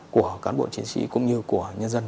của cán bộ chiến sĩ cũng như của nhân dân